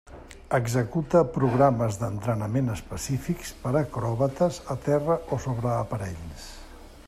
Executa programes d'entrenament específics per acròbates a terra o sobre aparells.